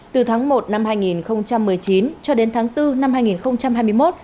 từ tháng một năm hai nghìn một mươi chín cho đến tháng bốn năm hai nghìn hai mươi một